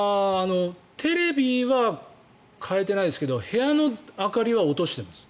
テレビは変えていないですが部屋の明かりは落としています。